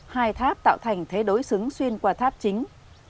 hai tháp tạo thành thế đối xứng xuyên qua tháp chính